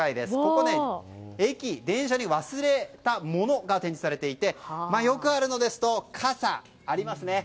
ここは駅や電車に忘れたものが展示されていてよくあるのですと、傘ありますね。